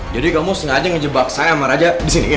jadi kamu sengaja ngejebak saya sama raja disini ya